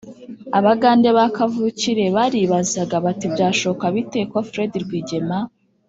abagande ba kavukire baribazaga bati byashoboka bite ko fred rwigema,